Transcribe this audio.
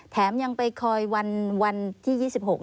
แถมยังไปคอยวันที่๒๖